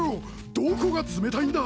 どこが冷たいんだ！